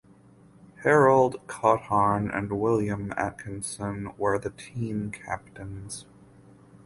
Harold Cothran and William Atkinson were the team captains.